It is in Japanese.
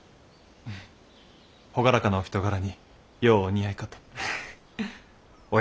朗らかなお人柄にようお似合いかと。へへ。